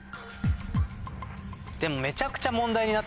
でもめちゃくちゃ。